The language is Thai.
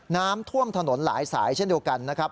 น้ำท่วมถนนหลายสายเช่นเดียวกันนะครับ